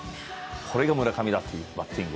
これが村上だというバッティング。